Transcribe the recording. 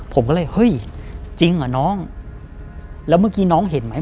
ผมก็เลยเฮ้ยจริงเหรอน้องแล้วเมื่อกี้น้องเห็นไหม